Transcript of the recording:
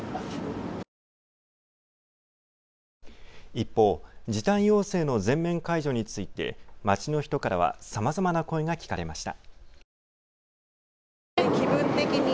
一方、時短要請の全面解除について街の人からはさまざまな声が聞かれました。